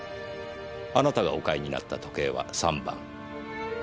あなたがお買いになった時計は３番。